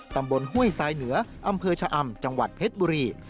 ห้วยทรายเหนืออำเภอชะอำจังหวัดเพชรบุรี